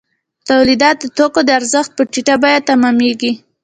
تولید د توکو د ارزښت په ټیټه بیه تمامېږي